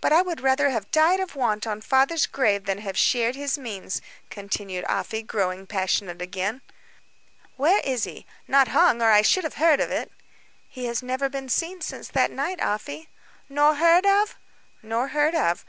But I would rather have died of want on father's grave than have shared his means," continued Afy, growing passionate again. "Where is he? Not hung, or I should have heard of it." "He has never been seen since that night, Afy." "Nor heard of?" "Nor heard of.